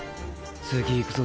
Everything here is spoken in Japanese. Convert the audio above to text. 次いくぞ。